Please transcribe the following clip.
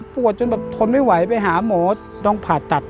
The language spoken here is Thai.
จนแบบทนไม่ไหวไปหาหมอต้องผ่าตัด